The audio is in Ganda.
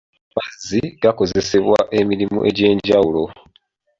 Amazzi gakozesebwa emirimu egy'enjawulo.